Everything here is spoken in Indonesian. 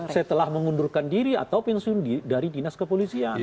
setelah mengundurkan diri atau pensiun dari dinas kepolisian